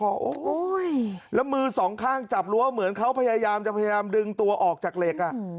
โอ้โหแล้วมือสองข้างจับรั้วเหมือนเขาพยายามจะพยายามดึงตัวออกจากเหล็ก